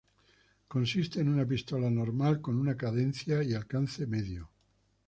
Consiste en una pistola normal con una cadencia y alcance medio.